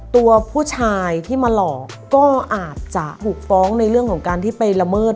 ตัวผู้ชายที่มาหลอกก็อาจจะถูกฟ้องในเรื่องของการที่ไปละเมิด